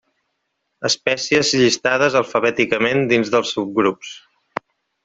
Espècies llistades alfabèticament dins dels subgrups.